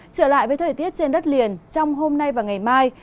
trở lại với thời tiết trên đất liền trong hôm nay và ngày mai